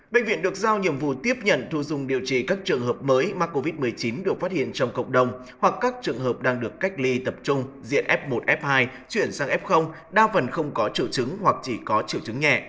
bệnh viện được giao nhiệm vụ tiếp nhận thu dung điều trị các trường hợp mới mắc covid một mươi chín được phát hiện trong cộng đồng hoặc các trường hợp đang được cách ly tập trung diện f một f hai chuyển sang f đa phần không có triệu chứng hoặc chỉ có triệu chứng nhẹ